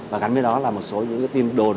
và gắn với đó là một số những tin đồn